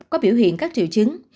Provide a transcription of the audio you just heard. có biểu hiện các triệu chứng